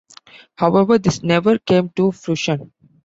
However, this never came to fruition.